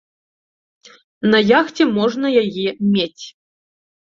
На яхце можна яе мець.